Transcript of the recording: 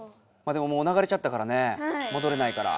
でももう流れちゃったからねもどれないから。